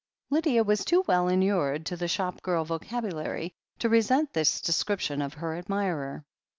Lydia was too well inured to the shop girl vocabu lary to resent this description of her admirer.